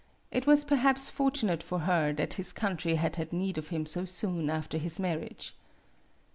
It was perhaps for tunate for her that his country had had need of him so soon after his marriage.